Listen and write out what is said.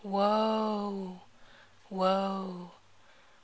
Woe! Woe.'